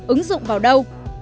ứng dụng vào đâu